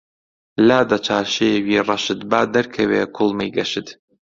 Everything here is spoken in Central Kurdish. لادە چارشێوی ڕەشت با دەرکەوێ کوڵمەی گەشت